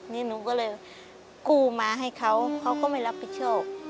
นี่หนูก็เลยกู้มาให้เขาเขาก็ไม่รับผิดชอบ